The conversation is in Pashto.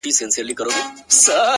هغه چي ټوله ژوند کي چوپه خوله پاته دی!